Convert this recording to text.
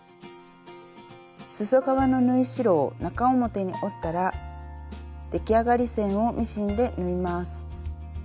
すそ側の縫い代を中表に折ったら出来上がり線をミシンで縫います。